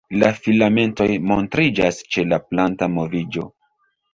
La filamentoj montriĝas ĉe la planta moviĝo.